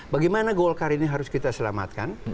bagaimana golkar ini harus kita selamatkan